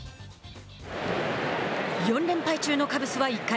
４連敗中のカブスは、１回。